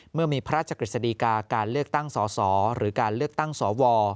เมื่อมีพระราชกฤษฎีกาการเลือกตั้งสอสอหรือการเลือกตั้งสว